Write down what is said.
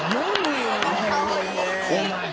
お前。